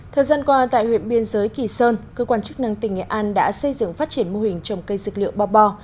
thời gian qua tại huyện biên giới kỳ sơn cơ quan chức năng tỉnh nghệ an đã xây dựng phát triển mô hình trồng cây dược liệu bò bò